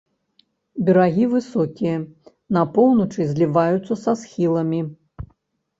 Берагі высокія, на поўначы зліваюцца са схіламі.